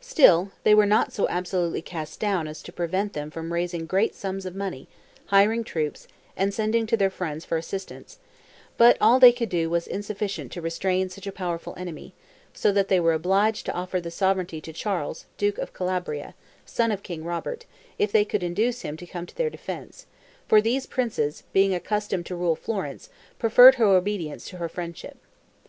Still they were not so absolutely cast down as to prevent them from raising great sums of money, hiring troops, and sending to their friends for assistance; but all they could do was insufficient to restrain such a powerful enemy; so that they were obliged to offer the sovereignty to Charles duke of Calabria, son of King Robert, if they could induce him to come to their defense; for these princes, being accustomed to rule Florence, preferred her obedience to her friendship.